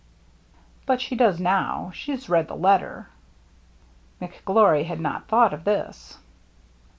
" But she does now. She has read the letter." McGlory had not thought of this.